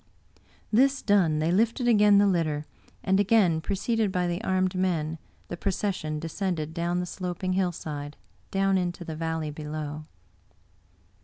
This done, they lifted again the litter, and again, preceded by the armed men, the procession descended down the sloping hillside, down into the valley below.